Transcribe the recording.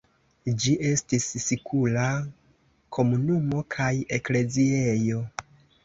Ĝi estis sikula komunumo kaj ekleziejo.